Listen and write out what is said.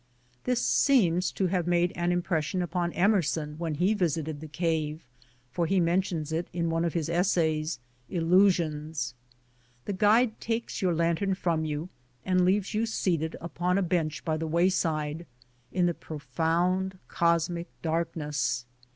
This seems to have made an impression upon Emerson when he visited the cave, for he mentions it in one of his essays, "Illusions." The guide takes your lantern from you and leaves you seated upon a bench by the wayside, in the profound cosmic darkness.